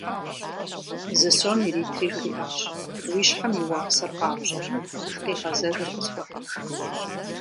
Зы сом иритри жриӏащ: «Уи щхьэм и уасэр къапщӏэмэ, къигъэзэжыр къысхуэхьыж».